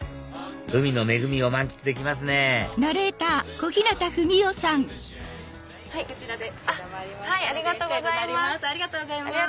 海の恵みを満喫できますねこちらで承りましたので。